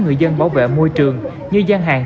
người dân bảo vệ môi trường như gian hàng